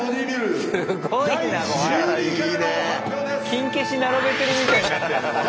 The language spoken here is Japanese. キン消し並べてるみたいになってるもう。